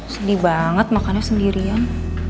sedih banget makannya sendirian